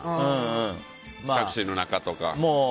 タクシーの中とか？